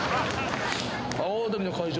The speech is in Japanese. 阿波踊りの会場